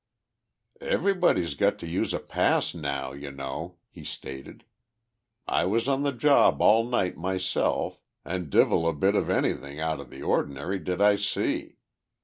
"Everybody's got to use a pass now, you know," he stated. "I was on the job all night myself an' divvle a bit of anything out of the ordinary did I see.